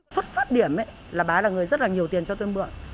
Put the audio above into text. xuất phát điểm là bá là người rất là nhiều tiền cho tôi mượn